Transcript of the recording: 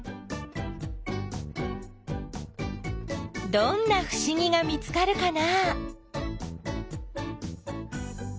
どんなふしぎが見つかるかな？